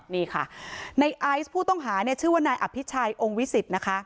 นี่ค่ะในไอซ์ผู้ต้องหาเนี่ยชื่อว่านายอภิชัยองค์วิสิตนะคะ